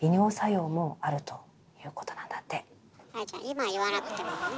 今言わなくてもね。